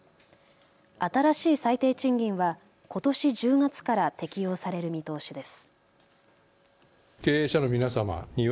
新しい最低賃金はことし１０月から適用される見通しです。